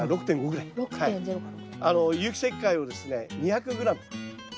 有機石灰をですね２００ｇ。